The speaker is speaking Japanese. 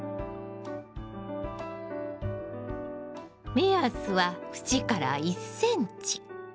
目安は縁から１ｃｍ。